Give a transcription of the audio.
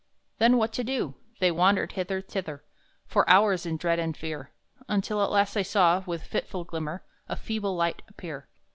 Then what to do! They wandered hither, thither, For hours in dread and fear, Until at last they saw, with fitful glimmer, A feeble light appear.